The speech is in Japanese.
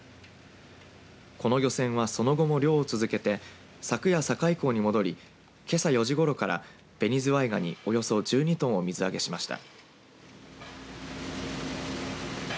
この漁船はその後も漁を続けて昨夜境港に戻りけさ４時ごろからベニズワイガニおよそ１２トンを水揚げしました。